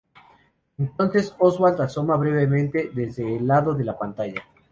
Entonces Oswald asoma brevemente desde el lado de la pantalla.